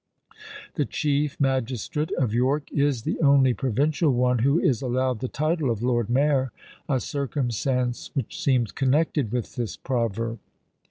The chief magistrate of York is the only provincial one who is allowed the title of Lord Mayor; a circumstance which seems connected with this proverb.